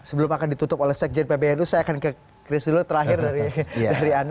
sebelum akan ditutup oleh sekjen pbnu saya akan ke chris dulu terakhir dari anda